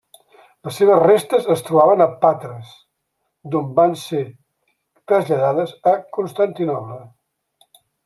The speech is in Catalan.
Les seves restes es trobaven a Patres, des d'on van ser traslladades a Constantinoble.